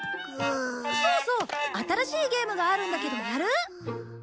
そうそう新しいゲームがあるんだけどやる？